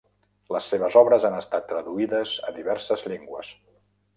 Les seves obres han estat traduïdes a diverses llengües.